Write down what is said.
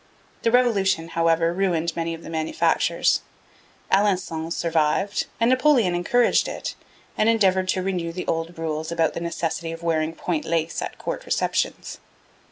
The Revolution, however, ruined many of the manufactures. Alencon survived, and Napoleon encouraged it, and endeavoured to renew the old rules about the necessity of wearing point lace at Court receptions.